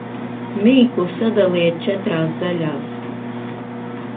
Mīklu sadaliet četrās daļās.